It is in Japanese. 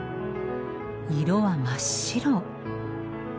色は真っ白。